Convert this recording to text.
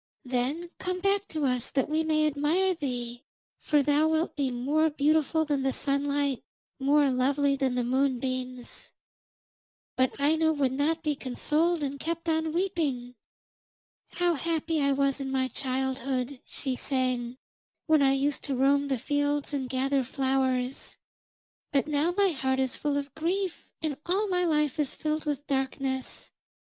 Then come back to us that we may admire thee, for thou wilt be more beautiful than the sunlight, more lovely than the moonbeams.' But Aino would not be consoled, and kept on weeping. 'How happy I was in my childhood,' she sang, 'when I used to roam the fields and gather flowers, but now my heart is full of grief and all my life is filled with darkness.